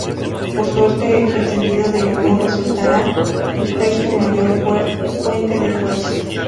Por suerte, el sentido del humor resultará ser su mayor fuente de fuerza.